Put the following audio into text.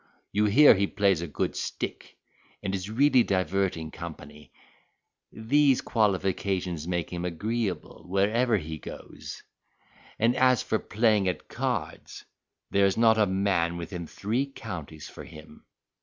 You hear he plays a good stick, and is really diverting company; these qualifications make him agreeable wherever he goes; and, as for playing at cards there is not a man within three counties for him.